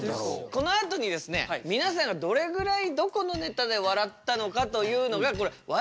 このあとにみなさんがどれぐらいどこのネタで笑ったのかというのが笑